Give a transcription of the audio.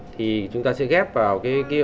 thì chúng ta sẽ ghép vào